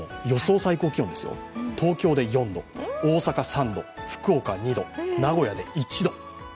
最高気温ですよ、東京で４度、大阪３度福岡２度名古屋で１度。